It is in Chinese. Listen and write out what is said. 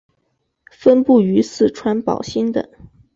分布于四川宝兴等。